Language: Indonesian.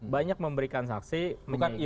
banyak memberikan saksi menigil